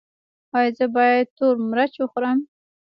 ایا زه باید تور مرچ وخورم؟